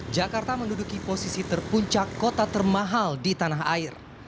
jakarta menduduki posisi terpuncak kota termahal di tanah air